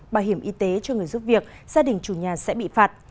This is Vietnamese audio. bảo hiểm y tế cho người giúp việc gia đình chủ nhà sẽ bị phạt